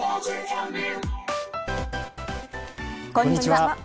こんにちは。